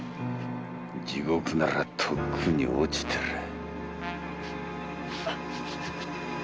地獄ならとっくに堕ちてらァ！